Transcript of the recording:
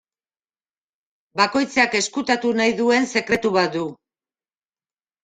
Bakoitzak ezkutatu nahi duen sekretu bat du.